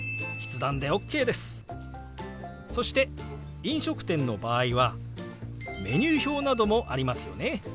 そして飲食店の場合はメニュー表などもありますよね。